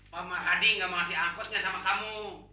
pak malhadi tidak mengasih angkotnya pada kamu